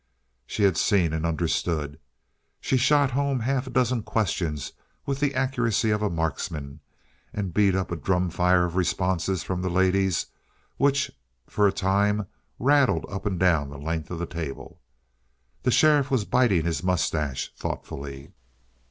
She had seen and understood. She shot home half a dozen questions with the accuracy of a marksman, and beat up a drumfire of responses from the ladies which, for a time, rattled up and down the length of the table. The sheriff was biting his mustache thoughtfully.